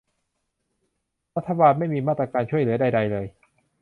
รัฐบาลไม่มีมาตรการช่วยเหลือใดใดเลย